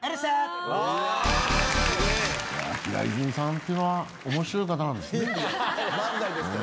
平泉さんっていうのは面白い方なんですね。